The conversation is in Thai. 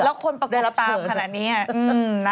แล้วคนประกบตามขนาดนี้